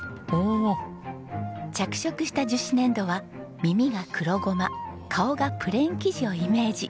おお。着色した樹脂粘土は耳が黒ごま顔がプレーン生地をイメージ。